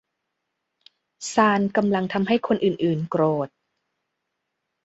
ซาลกำลังทำให้คนอื่น ๆ โกรธ